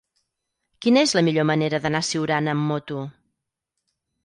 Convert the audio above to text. Quina és la millor manera d'anar a Siurana amb moto?